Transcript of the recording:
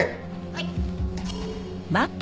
はい。